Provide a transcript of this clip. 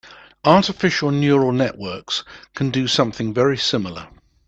Artificial neural networks can do something very similar.